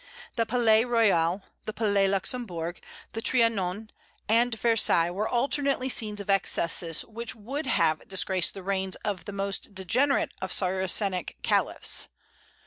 The Palais Royal, the Palais Luxembourg, the Trianon, and Versailles were alternately scenes of excesses which would have disgraced the reigns of the most degenerate of Saracenic caliphs.